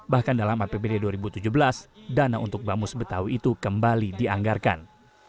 bahkan dalam apbd dua ribu tujuh belas dana untuk bamus betawi itu kembali dianggarkan